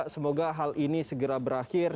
semoga hal ini segera berakhir